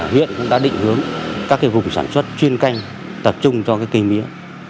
hiện chúng ta định hướng các cái vùng sản xuất chuyên canh tập trung cho cái kỳ mía